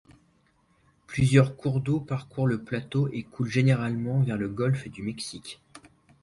Plusieurs cours d'eau parcourent le plateau et coulent généralement vers le golfe du Mexique.